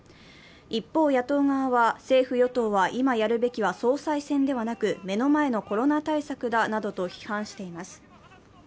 一方、野党側は政府与党は今やるべきは総裁選ではなく総裁選ではなく、目の前のコロナ対策だなどと批判しています。